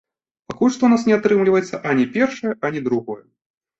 Пакуль што ў нас не атрымліваецца ані першае, ані другое.